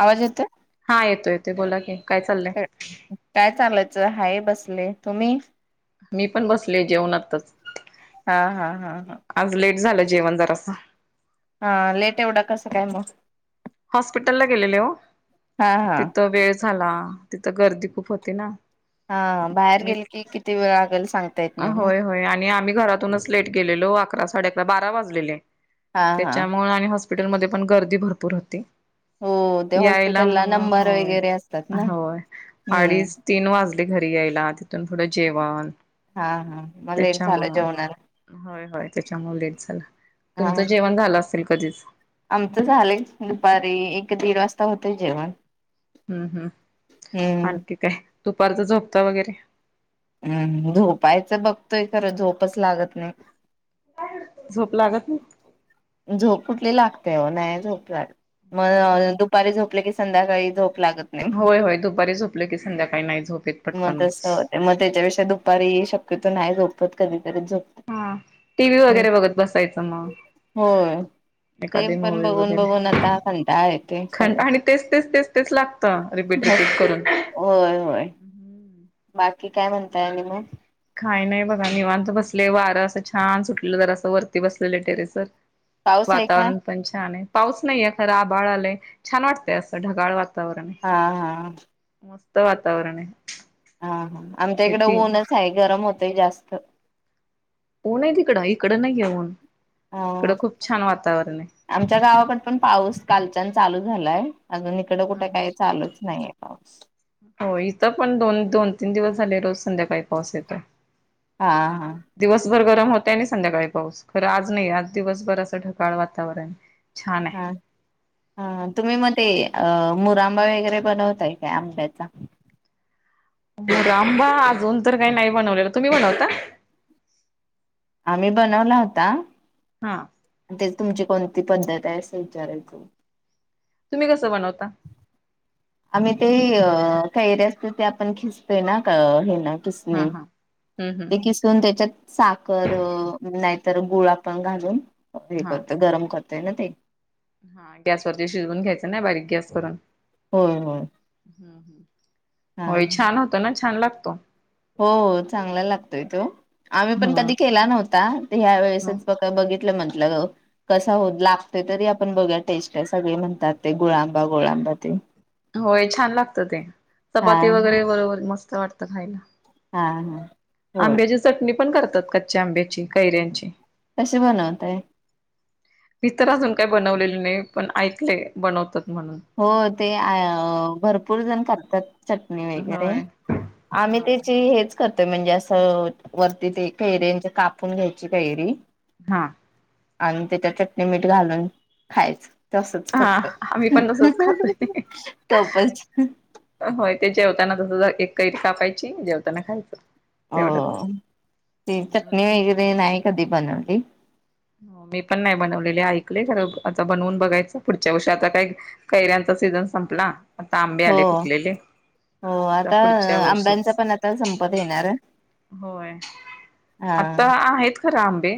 आवाज येतोय? हा येतो येतो बोला की. काय चाललंय काय चाललाय तुझं? हाय बसले तुम्ही मी पण बसले जेऊन आताच. हा हा हा हा आज लेट झालं जेवण जरासं. हा लेट एवढा कसं काय म? हॉस्पिटल ला गेलेले ओ हा हा तिथं वेळ झाला. तिथं गर्दी खूप होती ना. हा बाहेर मी गेल की किती वेळ लागेल सांग होय होय आणि आम्ही घरातूनच लेट गेलेलो अकरा, साडे अकरा, बारा वाजलेले. हा हा त्याच्यामुळे आणि हॉस्पिटलमध्ये पण गर्दी भरपूर होती. हो ते यायला हॉस्पिटलला मग नंबर होय वगैरे असतात ना होय हम्म अडीच, तीन वाजले. घरी यायला तिथून पुढं जेवण. हा हा मग लेट झालं त्याच्यामुळं जेवणाला. होय होय त्याच्यामुळ लेट झाल हा तुमचं जेवण झालं असल कधीच. आमचं झालंयच दुपारी एक, दीड वाजता होतय जेवण. हम्म हम् हम्म आणखी काय दुपारच झोपता वगैरे? हम्म झोपायचं बघतोय खरं झोपच लागत नाही. झोप लागत नाई. नाई झोप लागत म हम्म. अ दुपारी झोपल की संध्याकाळी झोप लागत नाही होय होय दुपारी झोपल की संध्याकाळी नाही झोप येत पटकन. च्यापेक्षा दुपारी शक्यतो नाही झोपत कधी. हा टीव्ही वगैरे बघत बसायचं मग. होय ते एखादी पण मूवी बघून बघून वगैरे आता कंटाळा येतोय खं सगळं आणि तेच तेच तेच तेच लागत रिपीट. रिपीट करून होय होय बाकी काय म्हणताय आणि म. काय नाही बघा निवांत बसले वारं असं छान सुटलं जरास वरती बसलेले टेरेसवर. पाऊस आहे काय वातावरण पण छान आहे पाऊस नाही खरं आभाळ आलय छान वाटते असे ढगाळ वातावरण. हा हा वातावरण मस्त वातावरण आहे. हा हा आमच्या इकड येतील ऊनच हाय गरम होतय जास्त. ऊन हाय तिकड इकड नाईये ऊन. ह इकडं खूप छान वातावरण आहे. आमच्या गावाकड पण पाऊस कालच्यान चालू झालाय. अजून इकड हा कुठे हा. काय चालूच नाहीय पाऊस. हो इथं पण दोन दोन, तीन दिवस झाले रोज संध्याकाळी पाऊस येतोय. हा हा र गरम होतय आणि संध्याकाळी पाऊस खरं आज नाहीय आज दिवसभर असं ढकाळ वातावरण छान हा आहे. ह तुम्ही म ते अ मुरंबा वगैरे बनवताय काय आंब्याचा. मुरंबा अजून तर काय नाय बनवलेलं. तुम्ही बनवता? आम्ही बनवला होता. हा तेच तुमची कोणती पद्धत आहे अस विचारायच. तुम्ही कसं बनवता? आम्ही ते अ कैरी असते ते आपण खिसतोय ना क हे न हा खिसणी हा हम्म ते हम्म किसून त्याच्यात अ साखर अ नाहीतर गुळ आपण घालून हे हा करतोय गरम करतोय ना ते. हा गॅसवरती शिजवून घ्यायचं ना बारीक गॅस करून होय होय हम्. हा होय छान होत ना छान लागतो. हो चांगला लागतोय तो. आम्ही पण हा कधी केला नव्हता ते ह्या वेळेसच बघितलं मग. कसा होत लागते तरी आपण बघ्या टेस्ट सगळे म्हणतात, ते गुळांबा गोळांबा ते. होय छान लागतं ते हा चपाती वगैरे बरोबर मस्त वाटतं खायला. हा हा होय आंब्याची चटणी पण करतात कच्च्या आंब्याची, कैऱ्यांची. कसे बनवताय? मी तर अजून काय बनवलेलं नाही पण ऐकले बनवतात. म्हणून हो ते आ अ भरपूर जण करतात. चटणी वगैरे होय आम्ही होय त्याची हेच करतो. म्हणजे असं वरती ते कैऱ्यांची कापून घ्यायची कैरी. हा आणि त्याच्यात चटणी मीठ घालून खायचं तसंच हा फक्त. आम्ही पण तसच खातोय [unintelligible] होय ते जेवताना तसंच एक कैरी कापायची जेवताना खायचं. हो तेवढंच ती चटणी वगैरे नाही कधी बनवली. हो मी पण नाही बनवलेले ऐकले खरं आता बनवून बघायचं पुढच्या वर्षी. आता काय कैऱ्यांच सीझन संपला आता आंबे हो आले पिकलेले. हो आता पुढच्या आंब्यांचा वर्षीच पण आता संपत येणार. होय हा आता आहेत खरं आंबे.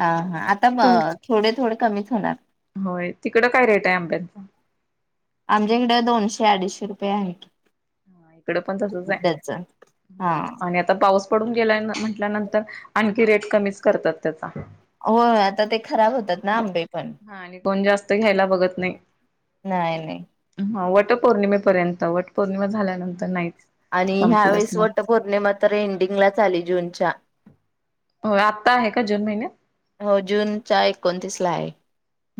ह हा आता अ तुम थोडे थोडे कमीच होणार. होय तिकडं काय रेट आहे आंब्यांचा? आमच्या इकडे दोनशे अडीचशे. [unintelligible] हा इकडे पण तसंच आय डझन हा होय आणि आता पाऊस पडून गेलाय म्हल्यानंतर आणखी रेट कमीच करतात त्यात. हो आता ते खराब होतात ना आंबे पण. हा आणि कोण जास्त घ्यायला बघत नाही. नाही नाही ह वटपौर्णिमेपर्यंत वटपौर्णिमा झाल्यानंतर नाही. आणि ह्यावेेळेस वट पौर्णिमा तर एंडिंगलाच आली जूनच्या. हो आत्ता आहे का जून महिन्यात? हो जून चा एकोणतीस ला आहे.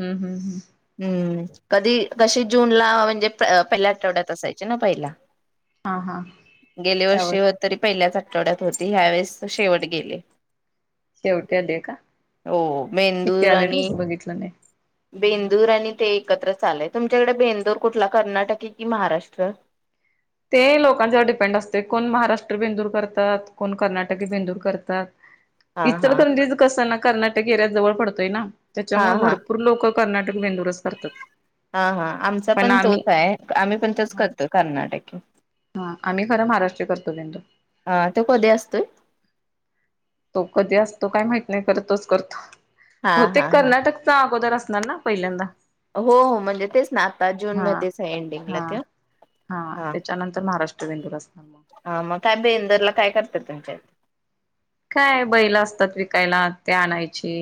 हम्म हम् हम् हम्म कधी कशी जूनला म्हणजे प पहिल्या आठवड्यात असायचे ना पहिला. हा हा गेले त्यावर वर्षी हो तरी पहिल्याच आठ आठवड्यात होती ह्यावेेळेस शेवट गेली. शेवटी आलीय का? हो पिके बेंदूर आले आणि ड्रेस बघितलं नाही. बेंदूर आणि ते एकत्रच आलय तुमच्याकडे बेंदूर कुठला कर्नाटकी कि महाराष्ट्र? ते लोकांच्याव डिपेंड असतंय कोण महाराष्ट्र बेंदूर करत, कोण कर्नाटकी बेंदूर करतात. हा हा इचलकरंजीच कसं ना कर्नाटक एरिया जवळ पडतोय ना हा त्याच्यामुळं हा भरपूर लोकं कर्नाटक बेंदूरच करतात. हा हा आमचा पण तोच आय आम्ही पण तोच करतो कर्नाटकी. हा आम्ही खरं महाराष्ट्र करतो बेंदूर. हा तो कधी असतोय तो कधी अस तो काय माहीत नाही खरं तोच करतो हा हा बहुतेक हा कर्नाटकचा अगोदर असणार ना पहिल्यांदा. हो हो म्हणजे तेच ना आता जून हा मध्येच आहे एंडिंगला तो हा नंतर महाराष्ट्र बेंदूर अस. ह मग का बेंदूरला काय करत्यात तुमच्यात? काय बैल असतात विकायला ते आणायची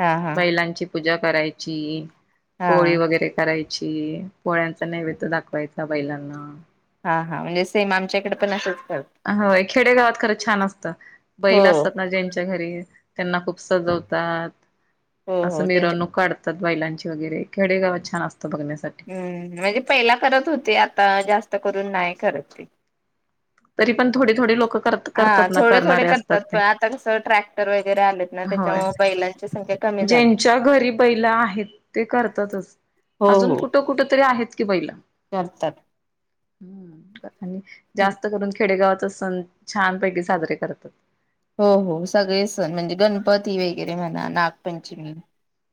हा हा बैलांची पूजा करायची. हा पोळी वगैरे करायची पोळ्यांचा नैवेद्य दाखवायचा बैलांना. हा हा म्हणजे सेम आमच्याकडे पण करत. होय खेडेगावात खरं छान असतं हो बैल असतात ना ज्यांच्या घरी त्यांना खूप सजवतात हो असं हो त्यांचे मिरवणूक काढतात. बैंलांची वगैरे खेडे गावात छान असतात हम्म म्हणजे पहिला करत होते आता जास्त करून नाही करत ते. तरी पण थोडे थोडे लोकं. हा थोडे थोडे करतात पण आता कसं ट्रॅक्टर वगैरे आलेत ना होय त्याच्यामुळं बैलांचे. ज्यांच्या घरी बैल आहेत ते करतातच अजून कुठ कुठ तरी आहेत की बैल. नत. आणि जास्त करून खेडेगावात सण छानपैकी साजरे करतात. हो हो सगळे सण म्हणजे गणपती वगैरे म्हणा नागपंचमी.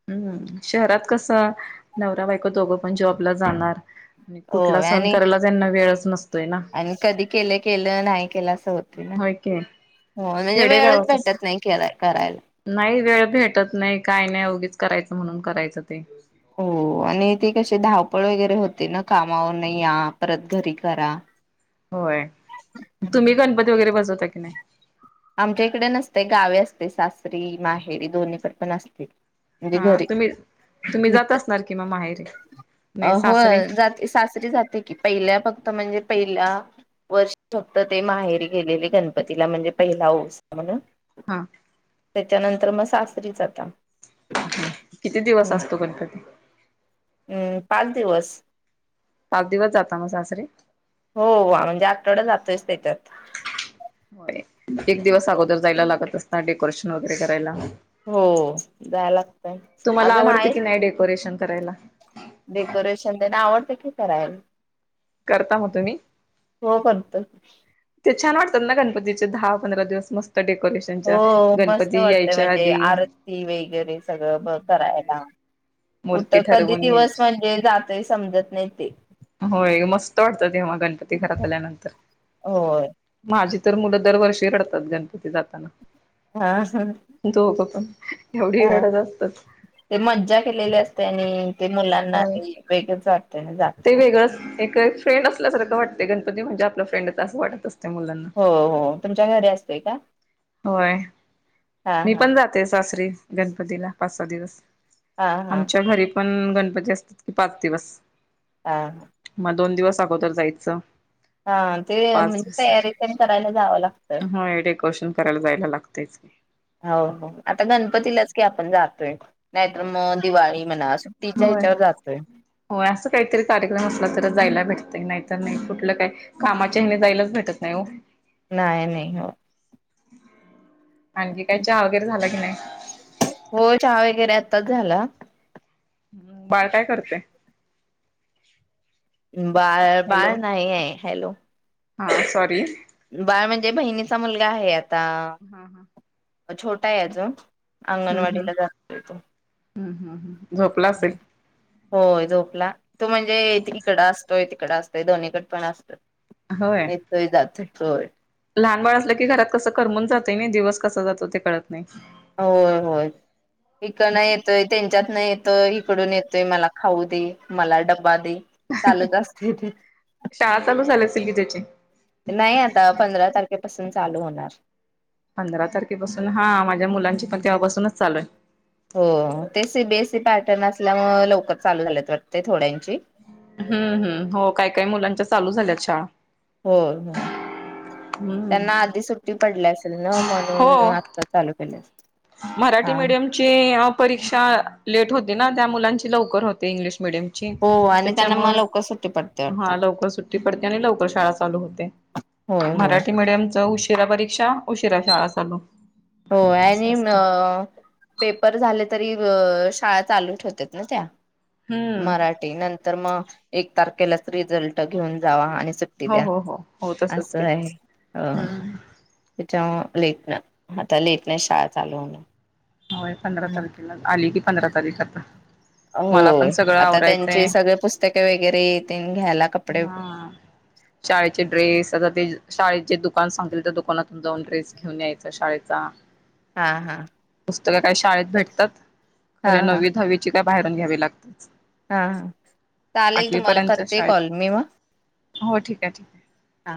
हम्म शहरात कसं नवरा बायको दोघं पण जॉबला जाणार. आणि हो कुठला सण आणि करायला त्यांना वेळच नसतोय ना. आणि कधी केलं केलं नाही केलं असं होते ना. हो की हो म्हणजे खेडे वेळच गाव तस भेटत नाही केला करायला. नाही वेळ भेटत नाही का. काय नाही उगीच करायचं म्हणून करायचं. हो आणि ते कसे धाव. धावपळ वगैरे होते ना कामावरून या परत घरी करा होय तुम्ही गणपती वगैरे बसवता की नाही. आमच्या इकडे नसते गावे असते सासरी माहेरी दोन्हीकडं पण असते. म्हणजे हा घरी तुम्ही तुम्ही जात इथ असणार कि मग माहेरी. नाही हो सासरी जाते सासरी जाते की पहिल्या बघ म्हणजे पहिल्या वर्ष फक्त ते माहेरी गेलेले गणपतीला म्हणजे. पहिला म्हणून. हा त्याच्यानंतर मग सासरीच आता. किती दिवस हम्म असतो गणपती. हम्म पाच दिवस पाच दिवस जाता ना सासरे. हो म्हणजे आठवडा जातोयच त्याच्यात होय एक दिवस अगोदर जायला लागत असता डेकोरेशन वगैरे करायला. हो जायला लागतय तुम्हाला अजून आवडतं आहे की नाही डेकोरेशन करायला. डेकोरेशन त्यांना आवडतं की करायला. करता मग तुम्ही हो करतोय. ते छान वाटतात ना गणपतीचे दहा पंधरा दिवस मस्त डेकोरेशनच्या हो मस्त गणपती वाटतय यायच्या म्हणजे आधी आरती वगैरे सगळं होय करायला. कुठ मूर्ती कधी ठरवून दिवस यायची म्हणजे जातोय समजत नाही ते. होय मस्त वाटतं तेव्हा गणपती घरात आल्यानंतर. होय. माझी तर मुलं दरवर्षी रडतात गणपती जाताना हा हा दोघं पण एवढी हा रडत असतात ते मज्जा केलेली असते आणि ते मुलांना होय ते वेगळंच वाटत ते जाताना. वेगळंच एक फ्रेंड असल्यासारख वाटते गणपती म्हणजे आपलं फ्रेंड असं वाटत असतं मुलांना हो हो तुमच्या घरी असतोय का? होय. हा मी हा पण जाते सासरी गणपतीला पाच सहा दिवस हा हा आमच्या घरी पण गणपती असतात कि पाच दिवस. हा ह मग दोन दिवस अगोदर जायचं. हा ते पाच म्हणजे दिवस तयारी पण करायला जावं लागतंय. होय डेकोरेशन करायला जायला लागतेच. हो हो आता गणपतीलाच की आपण जातोय नाहीतर होय मग दिवाळी. म्हणा सुट्टीच्या होय ह्याच्यावर जातोय. हो असं काहीतरी कार्यक्रम असला तर जायला भेट नाहीतर नाही कुठलं काय कामाच्या हने जायलाच भेटत नाही हो. नाहीय नाही हो. आणखी काय चहा वगैरे झाला की नाही? हो चहा वगैरे आताच झाला. हम् बाळ काय करतय? बाळ बाळ हॅलो नाही आहे. हॅलो हा सॉरी बाळ म्हणजे बहिणीचा मुलगा आहे आत हम हा छोटाय अजून हम्म हम्म अंगणवाडीला जातोय. हम्म हम्म झोपला असेल होय झोपला तू म्हणजे तीकड अस तोय तिकड असतय दोन्हीकड पण असत होय येतोय जातोय होय. लहान बाळ असलं की घरात कसं करमून जातंय नाही दिवस कसा जातो ते कळतं नाही. हो होय इकड नाही येतोय त्यांच्यात नाही येतोय इकडून येतोय मला खाऊ दे, मला डब्बा दे. चालत असते. शाळा चालू झाली असेल की त्याची नाही आता पंधरा तारखेपासून चालू होणार. पंधरा तारखेपासून हा माझ्या मुलांची पण तेव्हापासूनच चालू आहे. हो ते सी बेसी पॅटर्न असल्यामुळे लवकरच चालू झालेत वाटते थोड्यांची. हम्म हम्म हो काय काय मुलांच्या चालू झाल्या शाळा. होय हो हम्म त्यांना आधी सुट्टी पडली असेल ना म्हणून हो आता चालू केले. मराठी हा मिडियमची परीक्षा लेट होती ना त्या मुलांची लवकर होते इंग्लिश. मीडियमची हो आणि त्यांना मग त्याच्यामुळं लवकर सुट्टी पडते वाटत. हा लवकर सुट्टी पडते आणि लवकर शाळा चालू होते होय होय. मराठी मिडियमच उशीर शिरा परीक्षा उशिरा शाळा चालू. हो असं आणि असतं पेपर झाले तर शाळा चालू ठेवत ना त्या हम्म मराठी नंतर मग एक तारखेलाच रिझल्ट घेऊन जावा आणि ती हो द्या हो हो हो तसच असं की आहे अ हम्म त्याच्या लेटन आता लेट नाही शाळा चालू होणार. होय पंधरा तारखेला आली की पंधरा तारीख आता. मला हो पण सगळं आता आवरायचंय त्यांची सगळे पुस्तके वगैरे घ्यायला कपडे हा शाळेचे ड्रेस आता ते शाळे जे दुकान सांगतील त्या दुकानातून जाऊन ड्रेस घेऊन यायचा शाळेचा. हा हा पुस्तकं काही शाळेत हा भेटतात हा खरे नवी दहावीची काय बाहेरून घ्यावी लागतात. हा हा चालेल तुम्हाला पर्यंत करते शाळेत कॉल मी मग. हो ठीक आहे ठीक आहे. हां